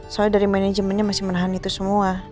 soalnya dari manajemennya masih menahan itu semua